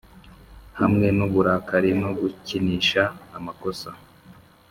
hamwe n'uburakari no gukinisha amakosa,